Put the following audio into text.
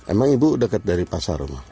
emang ibu dekat dari pasar rumah